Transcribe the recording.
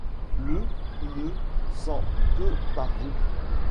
Ie ne sens que par vous.